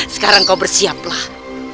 sekarang kau bersiaplah